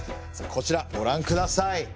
こちらご覧ください。